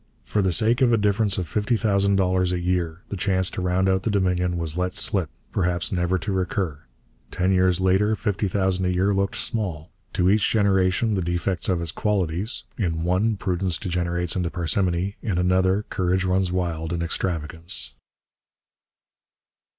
For the sake of a difference of fifty thousand dollars a year the chance to round out the Dominion was let slip, perhaps never to recur. Ten years later fifty thousand a year looked small. To each generation the defects of its qualities; in one prudence degenerates into parsimony, in another courage runs wild in extravagance.